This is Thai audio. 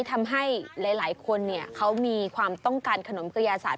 ทำให้หลายคนเขามีความต้องการขนมกระยาศาสต